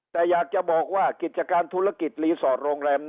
แต่อยากจะบอกว่ากิจการธุรกิจรีสอร์ทโรงแรม